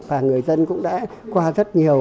và người dân cũng đã qua rất nhiều